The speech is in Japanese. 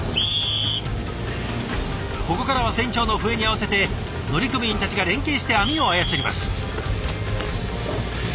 ここからは船長の笛に合わせて乗組員たちが連携して網を操ります。